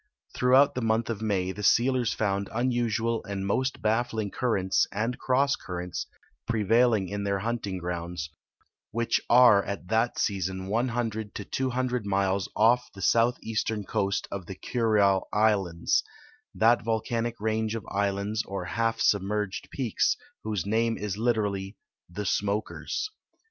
Tliroughout the month of INFay the sealers found unusual and most baffling currents and cross currents prevailing in their hunt ing grounds, which are at that season one hundred to two hun dred miles off the southeastern coast of the Kurile islands, that volcanic range of islands or half submerged peaks whose name is literally " The Smokers."